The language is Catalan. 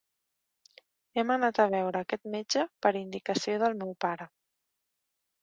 Hem anat a veure aquest metge per indicació del meu pare.